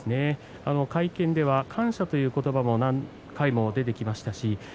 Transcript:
会見では感謝という言葉も何回も出てきました。